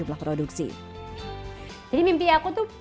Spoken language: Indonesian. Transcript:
belah produksi jadi mimpi aku tuh